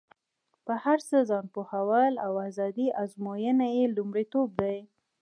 په هر څه ځان پوهول او ازادي ازموینه یې لومړیتوب دی.